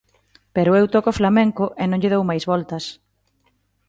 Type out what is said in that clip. Pero eu toco flamenco e non lle dou máis voltas.